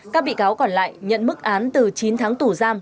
các bị cáo còn lại nhận mức án từ chín tháng tù giam